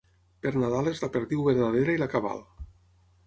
Per Nadal és la perdiu verdadera i la cabal.